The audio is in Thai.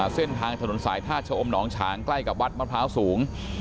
เส้นทางถนนสายท่าชะอมหนองฉางใกล้กับวัดมะพร้าวสูง